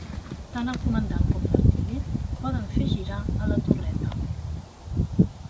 Tant el comandant com l'artiller poden fer girar a la torreta.